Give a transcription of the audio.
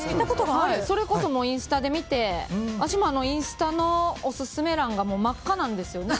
それこそインスタで見て私もインスタのオススメ欄が真っ赤なんですよ